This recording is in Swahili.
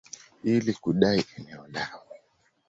ili kudai eneo lao.